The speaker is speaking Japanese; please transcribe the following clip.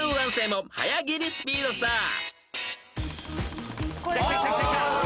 もはや切りスピードスター］